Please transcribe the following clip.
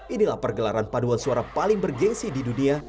inilah pergelaran paduan suara paling bergensi di dunia